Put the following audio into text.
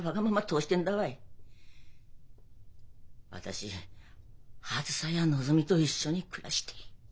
私あづさやのぞみと一緒に暮らしてえ。